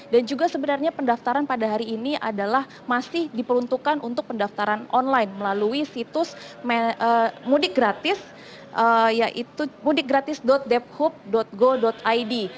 dan juga sebenarnya pendaftaran pada hari ini adalah masih diperuntukkan untuk pendaftaran online melalui situs mudik gratis yaitu mudikgratis debhub go id